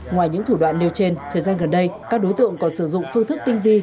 ngoài những thủ đoạn nêu trên thời gian gần đây các đối tượng còn sử dụng phương thức tinh vi